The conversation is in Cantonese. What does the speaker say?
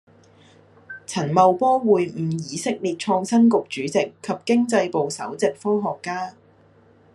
陳茂波會晤以色列創新局主席及經濟部首席科學家